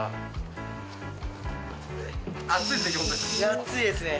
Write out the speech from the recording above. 暑いですね。